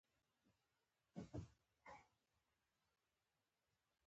خو چې لږ فکر مې وکړ خبره يې پر ځاى وه.